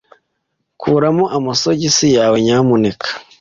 Kuramo amasogisi yawe, nyamuneka.